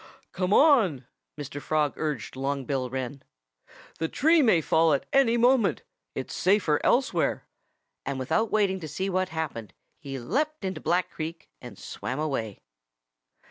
"Come on!" Mr. Frog urged Long Bill Wren. "The tree may fall at any moment. It's safer elsewhere." And without waiting to see what happened, he leaped into Black Creek and swam away.